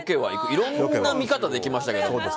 いろんな見方できましたけど。